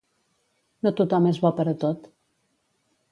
No tothom és bo per a tot.